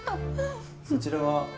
そちらは？